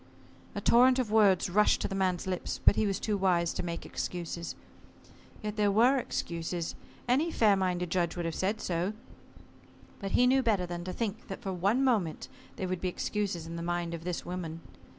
A torrent of words rushed to the man's lips, but he was too wise to make excuses. Yet there were excuses. Any fair minded judge would have said so. But he knew better than to think that for one moment they would be excuses in the mind of this woman.